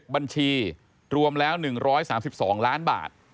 บัญชีรวมแล้ว๑๓๒ล้านบาท